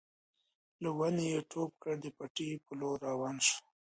له ونې يې ټوپ کړ د پټي په لور روان شو.